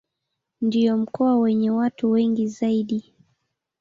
Ndio mkoa wenye watu wengi zaidi.